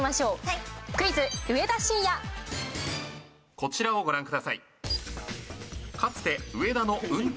「こちらをご覧ください」